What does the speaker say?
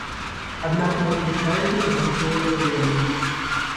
Аднак не выключаюцца і запасныя варыянты.